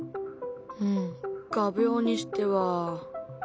うん画びょうにしては。